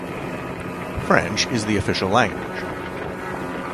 French is the official language.